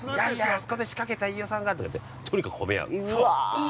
あそこで仕掛けた飯尾さんがとか言ってとにかく褒め合う。